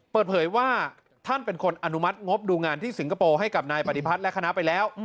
เปิดเผยว่าท่านเป็นคนอนุมัติงบดูงานที่สิงคโปร์ให้กับนายปฏิพัฒน์และคณะไปแล้ว